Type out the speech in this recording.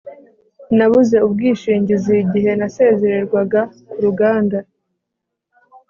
Nabuze ubwishingizi igihe nasezererwaga ku ruganda